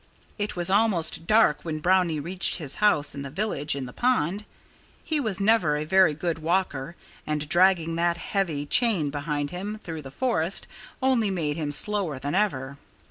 It was almost dark when Brownie reached his house in the village in the pond. He was never a very good walker. And dragging that heavy chain behind him through the forest only made him slower than ever.